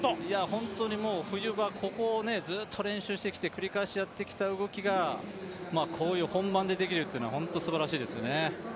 本当に冬場、ここをずっと練習してきて繰り返しやってきた動きがこういう本番でできるというのは本当すばらしいですよね。